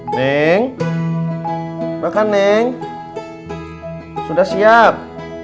neng bahkan neng sudah siap